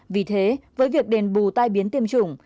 vì thế với việc đền bù tai biến tiêm chủng